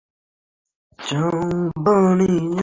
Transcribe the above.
যাও বাড়ি যাও?